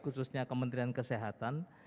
khususnya kementerian kesehatan